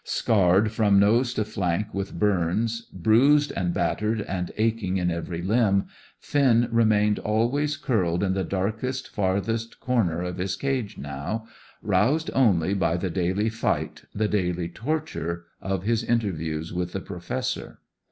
Scarred from nose to flank with burns, bruised and battered and aching in every limb, Finn remained always curled in the darkest, farthest corner of his cage now, roused only by the daily fight, the daily torture, of his interviews with the Professor.